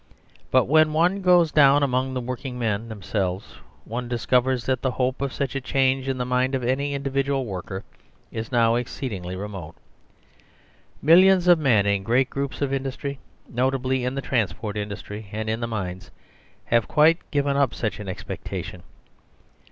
But when one goes down among the working men themselves, one discovers that the hope of such a change in the mind of any individual worker is now exceedingly remote. Millions of men in great groups of industry, notably in the transport industry and in the mines, have quite given up such an expectation.